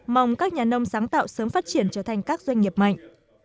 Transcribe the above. mong các nhà nông sáng tạo sớm phát triển trở thành các doanh nghiệp mạnh